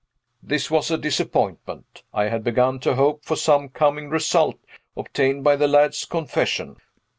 This was a disappointment. I had begun to hope for some coming result, obtained by the lad's confession.